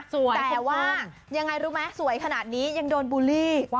แต่ว่ายังไงรู้ไหมสวยขนาดนี้ยังโดนบูลลี่